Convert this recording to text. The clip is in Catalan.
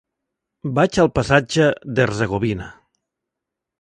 Vaig al passatge d'Hercegovina.